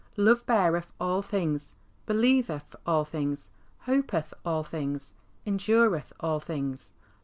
" Love beareth all things, believeth all things, hopeth all things, endureth all things.